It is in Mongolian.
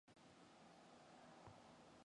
Дурлал хайр гэдэг агуу юм даа Дүүриймаа минь!